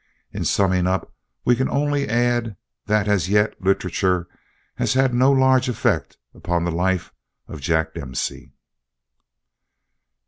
In summing up, we can only add that as yet literature has had no large effect upon the life of Jack Dempsey.